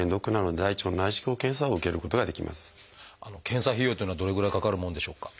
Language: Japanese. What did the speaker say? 検査費用っていうのはどれぐらいかかるもんでしょうか？